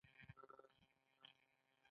ایا د هغوی ستونزې اورئ؟